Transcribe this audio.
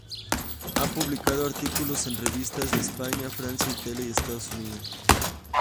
Ha publicado artículos en revistas de España, Francia, Italia, y Estados Unidos.